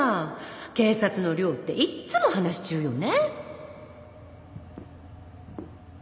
「警察の寮っていっつも話し中よね」